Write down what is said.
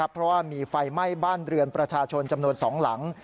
เพราะว่ามีไฟไหม้บ้านเรือนประชาชนจำนวน๒หลัง